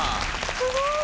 すごーい！